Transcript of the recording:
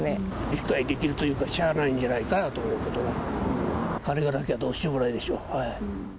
理解できるというか、しゃあないんじゃないかなということは、金がなけりゃどうしようもないでしょ。